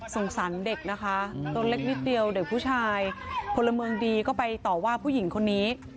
สารเด็กนะคะตัวเล็กนิดเดียวเด็กผู้ชายพลเมืองดีก็ไปต่อว่าผู้หญิงคนนี้